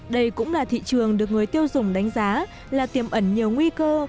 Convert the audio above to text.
đây cũng là thị trường được người tiêu dùng đánh giá là tiềm ẩn nhiều nguy cơ